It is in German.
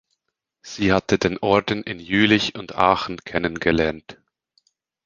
Sie hatte den Orden in Jülich und Aachen kennengelernt.